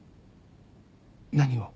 何を？